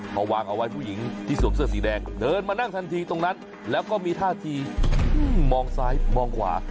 พอวางเอาไว้ผู้หญิงที่สวมเสื้อสีแดงเดินมานั่งทันทีตรงนั้นแล้วก็มีท่าทีมองซ้ายมองขวา